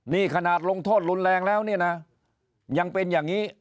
นี่ขนาดลงโทษรุนแรงแล้วเนี่ยนะยังเป็นอย่างนี้